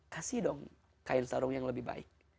kasih dong kain sarung yang lebih baik